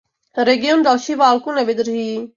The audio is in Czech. Region další válku nevydrží.